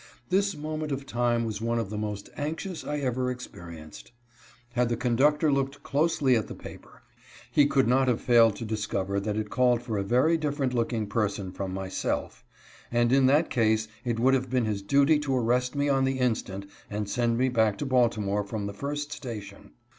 This moment of time was one of the most anxious I ever experienced. Had the conductor looked closely at the paper, he could not have failed to discover that it called for a very different 248 A DANGEROUS FRIEND. looking person from myself, and in that case it would have been his duty to arrest me on the instant and send me back to Baltimore from the first station.